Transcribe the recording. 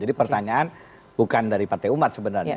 jadi pertanyaan bukan dari partai umat sebenarnya